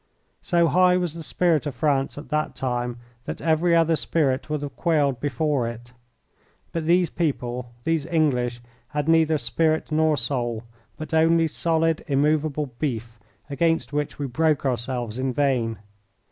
So high was the spirit of France at that time that every other spirit would have quailed before it; but these people, these English, had neither spirit nor soul, but only solid, immovable beef, against which we broke ourselves in vain.